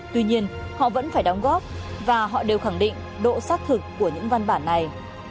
tuy nhiên họ vẫn phải đóng góp và họ đều khẳng định độ xác thực của những văn bản này